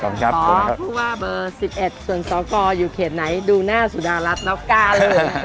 นับการเลย